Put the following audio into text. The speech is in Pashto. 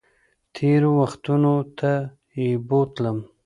تېرو وختونو ته یې بوتلم